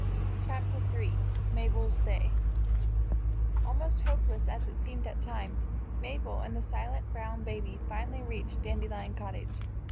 CHAPTER III Mabel's Day ALMOST hopeless as it seemed at times, Mabel and the silent brown baby finally reached Dandelion Cottage.